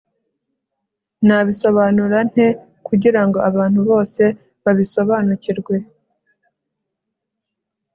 Nabisobanura nte kugirango abantu bose babisobanukirwe